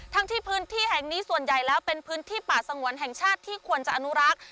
ทั้งที่พื้นที่แห่งนี้ส่วนใหญ่แล้วเป็นพื้นที่ป่าสงวนแห่งชาติที่ควรจะอนุรักษ์